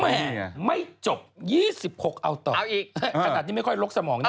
แหมไม่จบ๒๖พฤศจิกาเอาต่อขนาดนี้ไม่ค่อยล๊อคสมองนะ